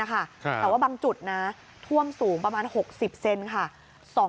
แต่ว่าบางจุดนะท่วมสูงประมาณ๖๐เซนค่ะ